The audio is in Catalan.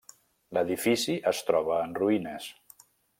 L'edifici es troba en ruïnes.